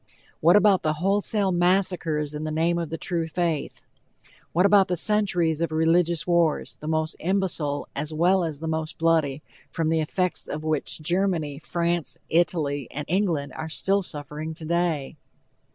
What about the wholesale massacres in the name of the true faith? What about the centuries of religious wars, the most imbecile as well as the most bloody, from the effects of which Germany, France, Italy and England are still suffering today?